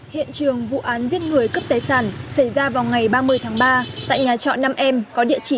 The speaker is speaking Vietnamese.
hiện trường vụ án giết người cướp tài sản xảy ra vào ngày ba mươi tháng ba tại nhà trọ năm em có địa chỉ